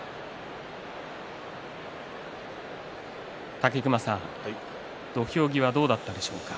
武隈さん土俵際どうだったでしょうか。